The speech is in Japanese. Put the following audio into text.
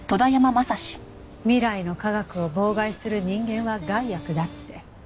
未来の科学を妨害する人間は害悪だって。